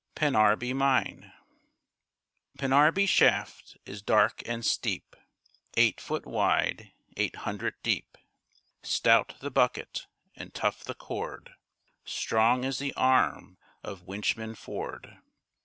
PENNARBY MINE Pennarby shaft is dark and steep, Eight foot wide, eight hundred deep. Stout the bucket and tough the cord, Strong as the arm of Winchman Ford.